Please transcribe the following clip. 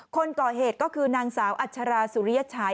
คนก่อเหตุก็คือนางสาวอัชราสุริยชัย